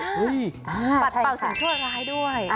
ปัดเป่าสิ่งชั่วร้ายด้วย